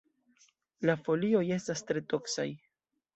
La folioj estas tre toksaj.